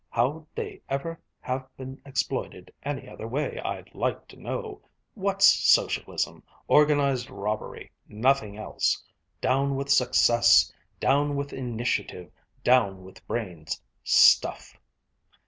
How'd they ever have been exploited any other way I'd like to know! What's socialism? Organized robbery! Nothing else! 'Down with success! Down with initiative! Down with brains!' Stuff!"